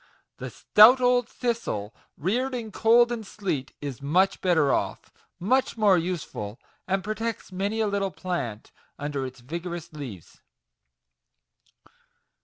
The stout old thistle, reared in cold and sleet, is much better off much more useful, and protects many a little plant under its vigorous leaves.